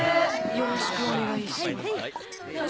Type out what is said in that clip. よろしくお願いします。